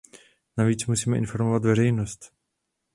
Navíc musíme informovat veřejnost.